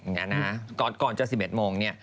อย่างนี้นะก่อนจะ๑๑โมงเนี่ย